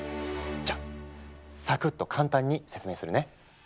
じゃあサクッと簡単に説明するね。